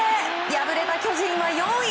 敗れた巨人は４位。